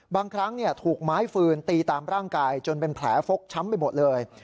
บางครั้งถูกไม้ฟืนตีตามร่างกายจนเป็นแผลฟกช้ำไปหมดเลย